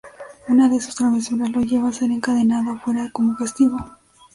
Una de sus travesuras lo lleva a ser encadenado afuera como castigo.